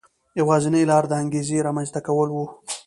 یوازینۍ لار د انګېزې رامنځته کول و.